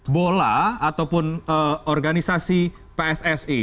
bola ataupun organisasi pssi